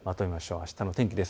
あしたの天気です。